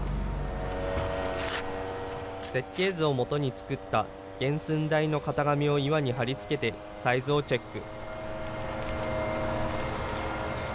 設計図をもとに作った原寸大の型紙を岩に貼り付けてサイズをチェック。